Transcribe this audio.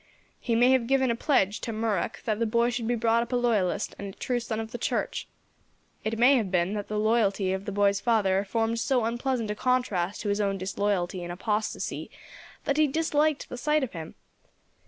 He may have given a pledge, to Murroch, that the boy should be brought up a loyalist, and a true son of the church. It may have been that the loyalty of the boy's father formed so unpleasant a contrast to his own disloyalty, and apostasy, that he disliked the sight of him.